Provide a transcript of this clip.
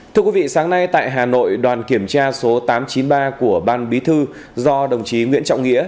thưa quý vị sáng nay tại hà nội đoàn kiểm tra số tám trăm chín mươi ba của ban bí thư do đồng chí nguyễn trọng nghĩa